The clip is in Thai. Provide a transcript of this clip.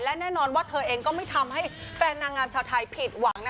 และแน่นอนว่าเธอเองก็ไม่ทำให้แฟนนางงามชาวไทยผิดหวังนะ